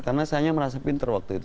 karena saya merasa pinter waktu itu